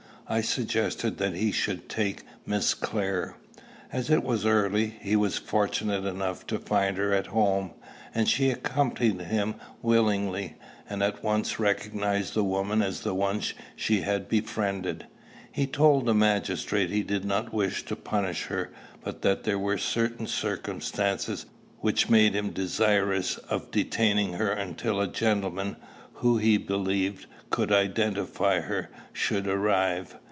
I suggested that he should take Miss Clare. As it was early, he was fortunate enough to find her at home, and she accompanied him willingly, and at once recognized the woman as the one she had befriended. He told the magistrate he did not wish to punish her, but that there were certain circumstances which made him desirous of detaining her until a gentleman, who, he believed, could identify her, should arrive.